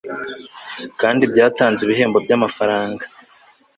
kandi byatanze ibihembo by'amafaranga